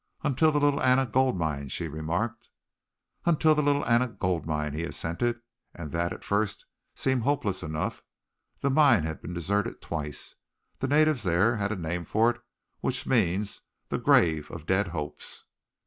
"Until the Little Anna Gold Mine," she remarked. "Until the Little Anna Gold Mine," he assented, "and that, at first, seemed hopeless enough. The mine had been deserted twice. The natives there had a name for it which means the Grave of Dead Hopes!"